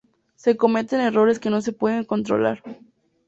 Se cometen errores que no se pueden controlar.